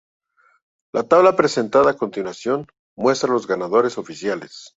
La tabla presentada a continuación, muestra los ganadores oficiales.